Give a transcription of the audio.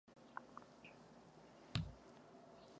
Víme, že Súdán je v nouzové situaci.